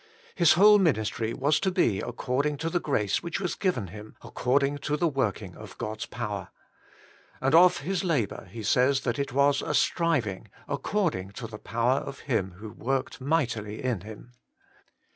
His whole ministry was to be according to the grace which was given him according to the working of God's power. 128 Working for God 129 And of his labour he says that it was a striving according to the power of Him who worked mightily in him.